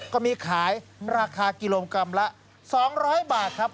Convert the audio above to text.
ก็มีขายราคากิโลกรัมละ๒๐๐บาทครับ